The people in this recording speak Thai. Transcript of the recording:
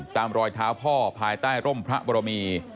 รอยเท้าพ่อภายใต้ร่มพระบรมี